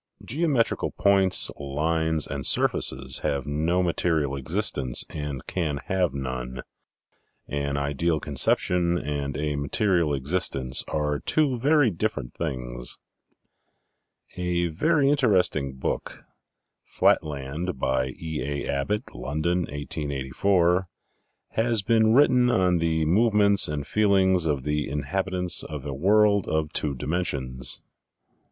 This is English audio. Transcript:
Geometrical points, lines, and surfaces, have no material existence and can have none. An ideal conception and a material existence are two very different things. A very interesting book 2 has been written on the move ments and feelings of the inhabitants of a world of two di mensions.